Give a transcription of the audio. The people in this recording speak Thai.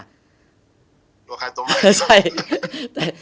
ตัวใครตัวมัน